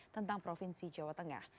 tentang provinsi jawa tengah